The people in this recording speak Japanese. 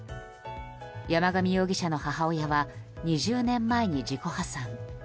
山上容疑者の母親は２０年前に自己破産。